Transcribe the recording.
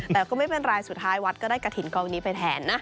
แต่ก็ไม่เป็นไรสุดท้ายวัดก็ได้กระถิ่นกองนี้ไปแทนนะ